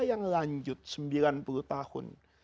yang lanjut sembilan puluh tahun